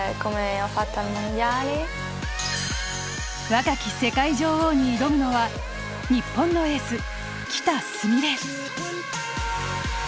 若き世界女王に挑むのは日本のエース喜田純鈴。